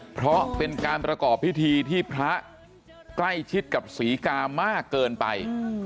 เพราะเป็นการประกอบพิธีที่พระใกล้ชิดกับศรีกามากเกินไป